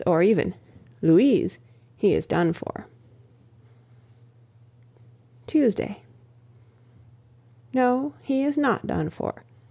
or even "Louise," he is done for! Tuesday. No, he is not done for.